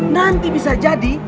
nanti bisa jadi